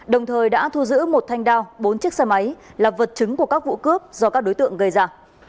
đồng thời đã thu giữ một thanh đao bốn chiếc xe máy là vật chứng của các vụ cướp do các đối tượng gây ra